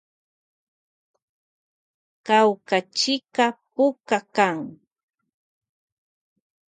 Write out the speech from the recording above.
Kawkachika puka kan.